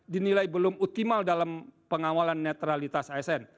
dinilai belum optimal dalam pengawalan netralitas asn